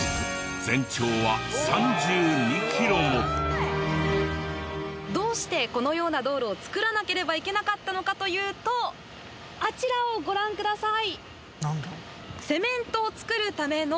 すごい！どうしてこのような道路を作らなければいけなかったのかというとあちらをご覧ください。